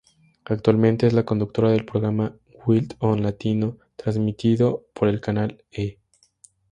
Actualmente es la conductora del programa 'Wild On Latino' transmitido por el canal 'E!